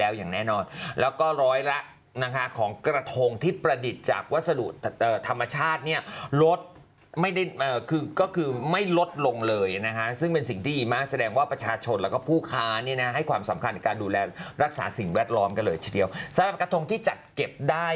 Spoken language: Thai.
วัสดุธรรมชาตินี้ลดคือไม่ลดลงเลยนะฮะซึ่งเป็นสิ่งดีมากแสดงว่าประชาชนแล้วก็ผู้ค้านี้นะให้ความสำคัญการดูแลรักษาสิ่งแวดล้อมกันเลยเฉยเฉยสำหรับกระทงที่จัดเก็บได้